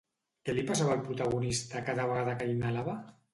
Què li passava al protagonista cada vegada que inhalava?